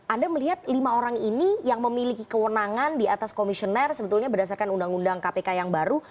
anda melihat lima orang ini yang memiliki kewenangan di atas komisioner sebetulnya berdasarkan undang undang kpk yang baru